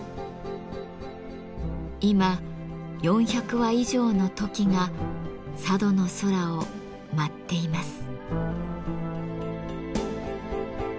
今４００羽以上のトキが佐渡の空を舞っています。